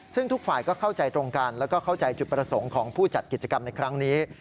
ซึ่งทุกฝ่ายก็เข้าใจตรงกันแล้วก็เข้าใจจุดประสงค์ของผู้จัดกิจกรรมในครั้งนี้